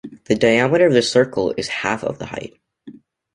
The diameter of the circle is half of the height.